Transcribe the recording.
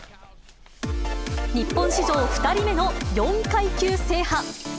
日本史上２人目の４階級制覇。